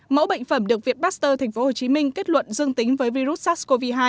mẫu bệnh phẩm được việt baxter tp hcm kết luận dương tính với virus sars cov hai